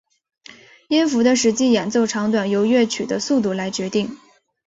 音符的实际演奏长短由乐曲的速度来决定。